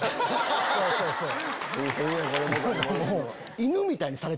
そうそうそう！